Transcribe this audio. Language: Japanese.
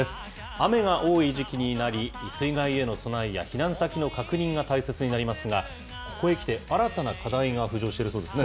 雨が多い時期になり、水害への備えや避難先の確認が大切になりますが、ここへ来て新たな課題が浮上しているそうですね。